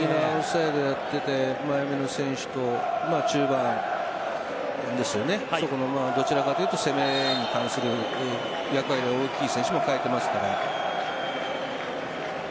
前めの選手と中盤そこのどちらかというと攻めに関する役割の大きい選手も代えてますから。